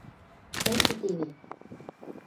Тӹньжӹ теве...